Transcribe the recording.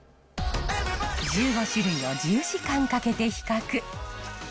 １５種類を１０時間かけて比較。